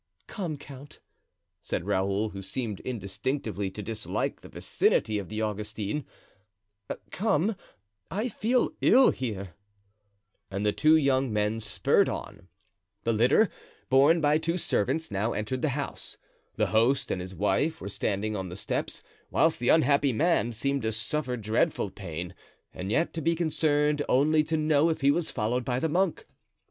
"Come, count," said Raoul, who seemed instinctively to dislike the vicinity of the Augustine; "come, I feel ill here," and the two young men spurred on. The litter, borne by two servants, now entered the house. The host and his wife were standing on the steps, whilst the unhappy man seemed to suffer dreadful pain and yet to be concerned only to know if he was followed by the monk.